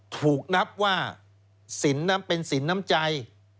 ถูกนับว่าเป็นสินน้ำใจ